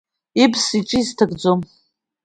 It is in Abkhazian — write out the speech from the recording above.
Ибз иҿы изҭакӡом …